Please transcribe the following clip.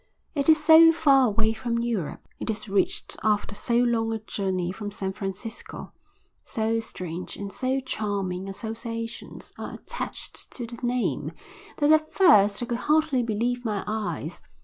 It is so far away from Europe, it is reached after so long a journey from San Francisco, so strange and so charming associations are attached to the name, that at first I could hardly believe my eyes.